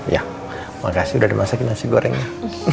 ya makasih udah dimasakin nasi gorengnya